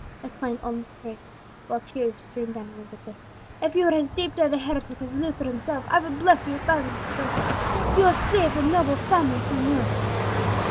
exclaimed old Teresa, while tears streamed down her wrinkled face; "if you were as deep dyed a heretic as Luther himself, I would bless you a thousand times over! You have saved a noble family from ruin!"